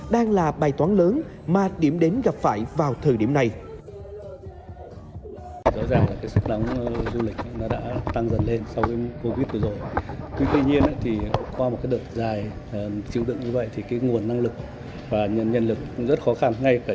đang là bài toán lớn mà điểm đến gặp phải vào thời điểm này